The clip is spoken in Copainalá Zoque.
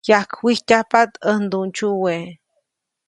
Yajkwijtyajpaʼt ʼäj nduʼndsyuwe.